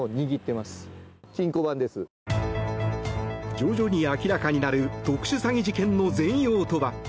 徐々に明らかになる特殊詐欺事件の全容とは。